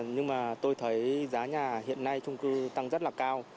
nhưng mà tôi thấy giá nhà hiện nay trung cư tăng rất là cao